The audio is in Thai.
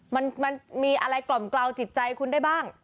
มันมีอะไรกล่อมเกลาจิตใจคุณได้บ้าง